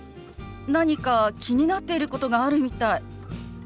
何か気になってることがあるみたい。